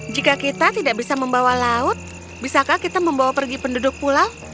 jika kita tidak bisa membawa laut bisakah kita membawa pergi penduduk pulau